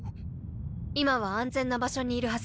今は安全な場所にいるはずです。